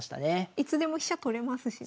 いつでも飛車取れますしね。